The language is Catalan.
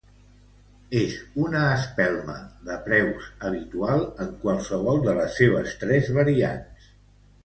És una espelma de preus habitual en qualsevol de les seves tres variants.